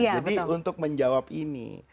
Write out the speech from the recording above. jadi untuk menjawab ini